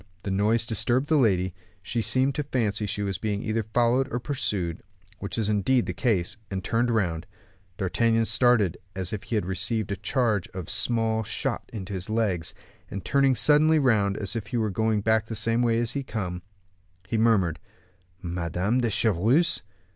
The noise disturbed the lady; she seemed to fancy she was being either followed or pursued, which was indeed the case, and turned round. D'Artagnan started as if he had received a charge of small shot in his legs, and then turning suddenly round as if he were going back the same way he had come, he murmured, "Madame de Chevreuse!"